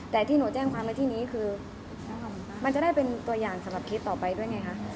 แต่ที่หนูแจ้งความไว้ที่นี้คือมันจะได้เป็นตัวอย่างสำหรับเคสต่อไปด้วยไงคะ